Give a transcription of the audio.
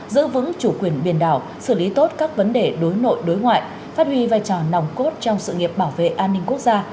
giữ vững chủ quyền biển đảo xử lý tốt các vấn đề đối nội đối ngoại phát huy vai trò nòng cốt trong sự nghiệp bảo vệ an ninh quốc gia